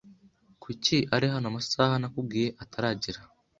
Kuki ari hano amasaha nakubwiye ataragera?